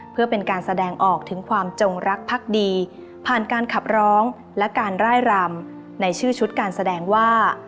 เพื่อเป็นการแสดงออกถึงความจงรักพักดีผ่านการขับร้องและการร่ายรำในชื่อชุดการแสดงว่า